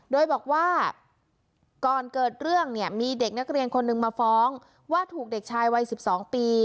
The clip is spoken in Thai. โดยบอกว่าก่อนเกิดเรื่องเนี่ยมีเด็กนักเรียนคนหนึ่งมาฟ้องว่าถูกเด็กชายวัย๑๒ปี